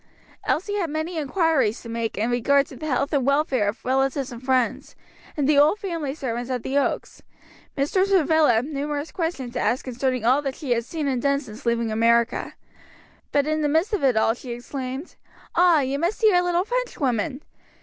Elsie had many inquiries to make in regard to the health and welfare of relatives and friends, and the old family servants at the Oaks; Mr. Travilla numerous questions to ask concerning all that she had seen and done since leaving America. But in the midst of it all she exclaimed, "Ah, you must see our little Frenchwoman!